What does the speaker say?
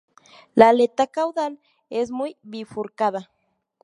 La aleta caudal es muy bifurcada.